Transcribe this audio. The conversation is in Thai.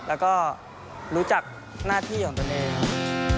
แล้วก็รู้จักหน้าที่ของตนเอง